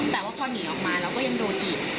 แต่ว่าพอหนีออกมาเราก็ยังโดนอีก